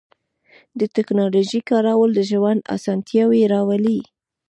د تکنالوژۍ کارول د ژوند آسانتیاوې راولي.